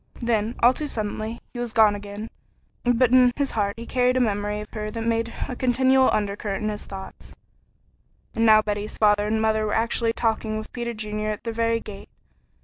Then, all too suddenly, he was gone again, but in his heart he carried a memory of her that made a continual undercurrent in his thoughts. And now Betty's father and mother were actually talking with Peter Junior at their very gate.